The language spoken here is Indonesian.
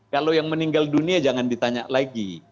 kalau yang meninggal dunia jangan ditanya lagi